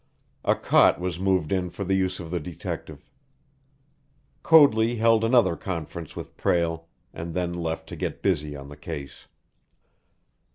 A cot was moved in for the use of the detective. Coadley held another conference with Prale, and then left to get busy on the case.